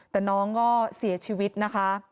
แต่น้องก็เสียชีวิตนะคะ